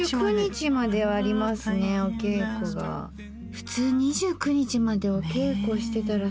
普通２９日までお稽古してたらさ